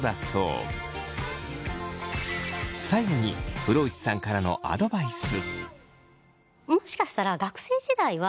最後に風呂内さんからのアドバイス。